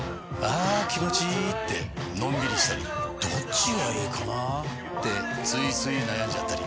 あ気持ちいいってのんびりしたりどっちがいいかなってついつい悩んじゃったり。